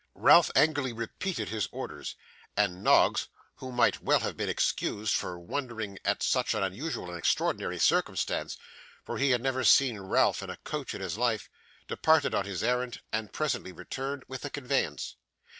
Ralph angrily repeated his orders, and Noggs, who might well have been excused for wondering at such an unusual and extraordinary circumstance (for he had never seen Ralph in a coach in his life) departed on his errand, and presently returned with the conveyance.